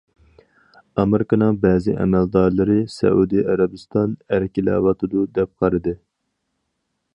ئامېرىكىنىڭ بەزى ئەمەلدارلىرى سەئۇدى ئەرەبىستان« ئەركىلەۋاتىدۇ»، دەپ قارىدى.